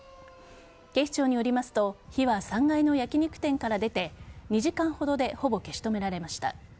警視庁によりますと火は３階の焼き肉店から出て２時間ほどでほぼ消し止められました。